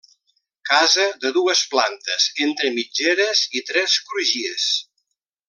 Casa de dues plantes entre mitgeres i tres crugies.